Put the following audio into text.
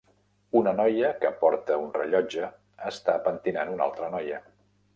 Una noia que porta un rellotge està pentinant a una altra noia.